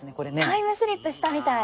タイムスリップしたみたい。